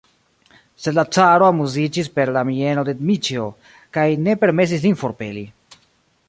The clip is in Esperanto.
Sed la caro amuziĝis per la mieno de Dmiĉjo kaj ne permesis lin forpeli.